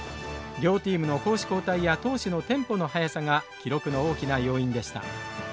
両チームの攻守交代や投手のテンポの速さが記録の大きな要因でした。